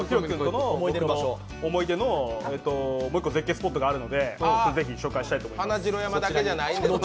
思い出のもう一個絶景スポットがあるのでぜひ紹介したいと思います。